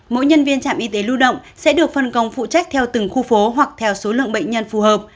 mỗi nhân viên trạm y tế lưu động sẽ được phân công phụ trách theo từng khu phố hoặc theo số lượng bệnh nhân phù hợp